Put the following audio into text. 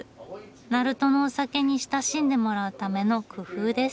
鳴門のお酒に親しんでもらうための工夫です。